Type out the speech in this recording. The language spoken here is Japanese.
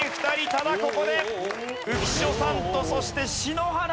ただここで浮所さんとそして篠原さん